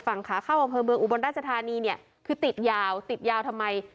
ฝั่งขาเข้าอำเภอเมืองอุบลราชธานีเนี่ยคือติดยาวติดยาวทำไม